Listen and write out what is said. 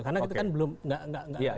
karena itu kan belum tidak tidak tidak